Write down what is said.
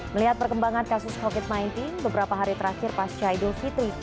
melihat perkembangan kasus covid sembilan belas beberapa hari terakhir pasca idul fitri